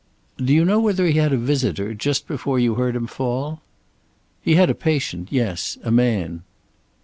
"Do you know whether he had a visitor, just before you heard him fall?" "He had a patient, yes. A man."